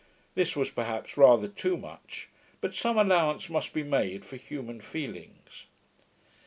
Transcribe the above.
This was, perhaps, rather too much; but some allowance must be made for human feelings.